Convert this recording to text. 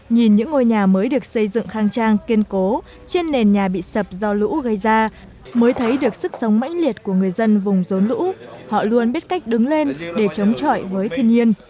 nhìn những ngôi nhà mới được xây dựng khang trang kiên cố trên nền nhà bị sập do lũ gây ra mới thấy được sức sống mãnh liệt của người dân vùng rốn lũ họ luôn biết cách đứng lên để chống chọi với thiên nhiên